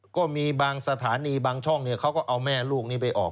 ก็มีบางสถานีบางช่องเขาก็เอาแม่ลูกนี้ไปออก